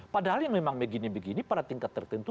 padahal yang memang begini begini pada tingkat tertentu